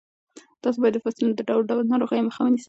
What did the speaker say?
تاسو باید د فصلونو د ډول ډول ناروغیو مخه ونیسئ.